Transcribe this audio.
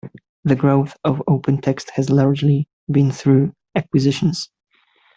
The growth of OpenText has largely been through acquisitions.